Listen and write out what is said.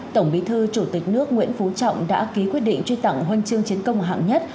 tổng bí thư chủ tịch nước nguyễn phú trọng đã ký quyết định truy tặng huân chương chiến công hạng nhất